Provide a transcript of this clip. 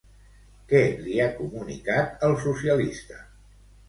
Què li ha comunicat al socialista?